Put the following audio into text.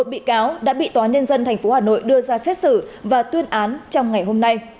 một mươi bị cáo đã bị tòa nhân dân tp hà nội đưa ra xét xử và tuyên án trong ngày hôm nay